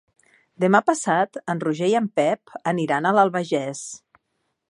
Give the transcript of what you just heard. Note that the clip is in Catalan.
Demà passat en Roger i en Pep aniran a l'Albagés.